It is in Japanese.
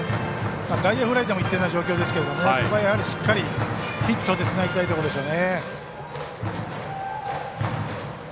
外野フライでもいける状況ですけどここはやはりヒットでつなぎたいところでしょうね。